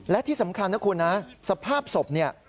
และที่สำคัญนะคุณนะสภาพศพเนี่ย